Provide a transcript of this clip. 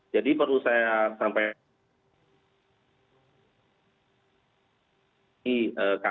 jadi perlu saya sampaikan